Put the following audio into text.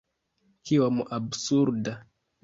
Kiom absurda!